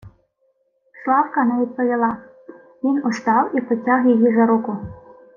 Славка не відповіла. Він устав і потяг її за руку: